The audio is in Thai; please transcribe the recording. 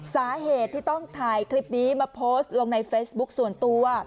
สาเหตุที่ต้องถ่ายคลิปนี้มาโพสต์ลงในเฟซบุ๊คส่วนตัว